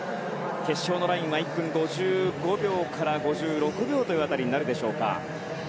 決勝のラインは１分５５秒から５６秒という辺りになるでしょうか。